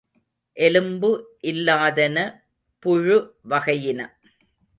எலும்பு இல்லாதன புழு வகையின.